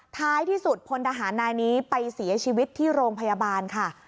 ท้ายที่สุดพลทหารนายนี้ไปเสียชีวิตที่โรงพยาบาลค่ะ